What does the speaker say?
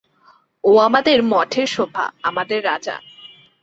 ও আমাদের মঠের শোভা, আমাদের রাজা।